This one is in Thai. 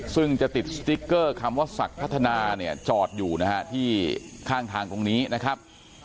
ซึ่งจะติดสติ๊กเกอร์คำว่าศักดิ์พัฒนาเนี่ยจอดอยู่นะฮะที่ข้างทางตรงนี้นะครับ